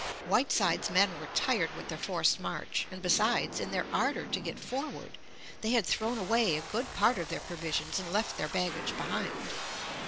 Whitesides's men were tired with their forced march, and besides, in their ardor to get forward, they had thrown away a good part of their provisions and left their baggage behind.